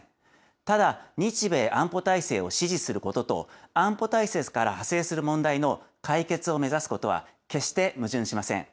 ただ、日米安保体制を支持することと、安保体制から派生する問題の解決を目指すことは、決して矛盾しません。